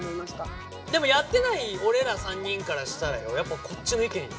でもやってない俺ら３人からしたらやっぱこっちの意見よ。